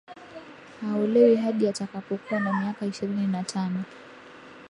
haolewi hadi atakapokuwa na miaka ishirini na tano